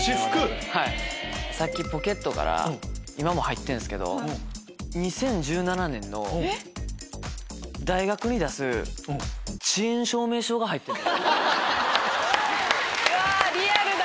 さっきポケットから今も入ってるんすけど２０１７年の大学に出す遅延証明書が入ってる。